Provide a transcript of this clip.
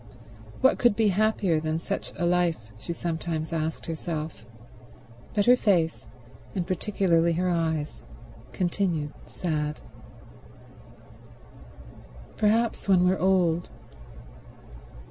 What could be happier than such a life, she sometimes asked herself; but her face, and particularly her eyes, continued sad. "Perhaps when we're old